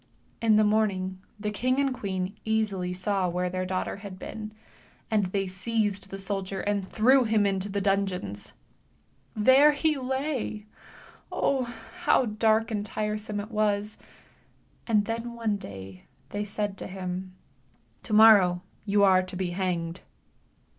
In the morning the king and the queen easily saw where their daughter had been, and they seized the soldier and threw i into the dungeons. Ehere ':. Oh. how dark and tiresome it was, and then one dav they said to him 7 morrow you are to be hanged."